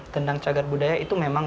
tentang cagar budaya itu memang